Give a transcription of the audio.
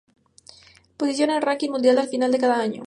Posición en el ranking mundial al final de cada año.